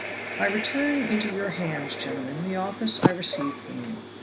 "I return into your hands, gentlemen, the office I received from you.